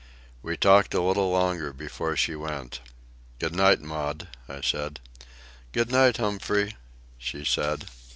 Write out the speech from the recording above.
We talked a little longer before she went. "Good night, Maud," I said. "Good night, Humphrey," she said.